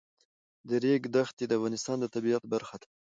د ریګ دښتې د افغانستان د طبیعت برخه ده.